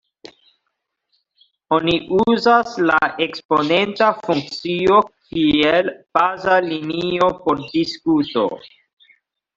Oni uzas la eksponenta funkcio kiel 'baza linio' por diskuto.